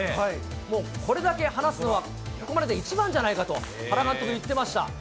もうこれだけ話すのはここまでで一番じゃないかと原監督、言ってました。